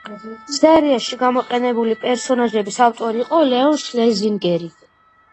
სერიაში გამოყენებული პერსონაჟების ავტორი იყო ლეონ შლეზინგერი.